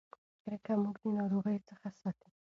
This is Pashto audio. کرکه موږ د ناروغۍ څخه ساتي.